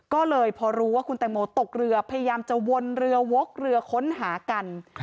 ก็เลยพอรู้ว่าคุณแตงโมตกเรือพยายามจะวนเรือวกเรือค้นหากัน